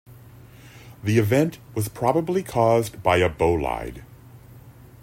The event was probably caused by a bolide.